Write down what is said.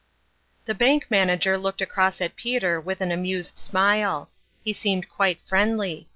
THE Bank Manager looked across at Peter with an amused smile ; lie seemed quite friend ly.